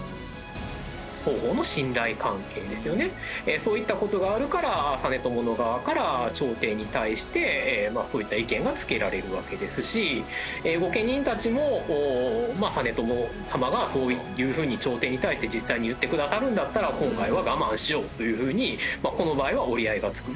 そういった事があるから実朝の側から朝廷に対してそういった意見がつけられるわけですし御家人たちもまあ実朝様がそういうふうに朝廷に対して実際に言ってくださるんだったら今回は我慢しようというふうにこの場合は折り合いがつく。